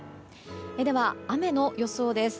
では雨の予想です。